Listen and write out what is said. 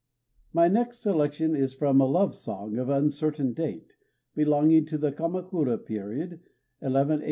My next selection is from a love song of uncertain date, belonging to the Kamakura period (1186 1332).